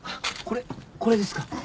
これこれですか？